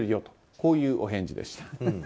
こういうお返事でした。